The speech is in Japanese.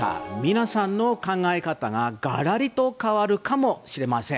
皆さんの考え方ががらりと変わるかもしれません。